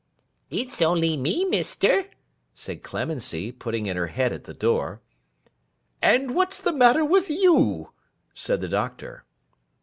'It's only me, Mister,' said Clemency, putting in her head at the door. 'And what's the matter with you?' said the Doctor.